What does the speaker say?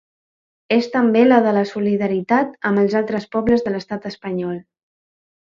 És també la de la solidaritat amb els altres pobles de l’estat espanyol.